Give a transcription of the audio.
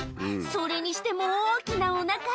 それにしても、大きなおなか。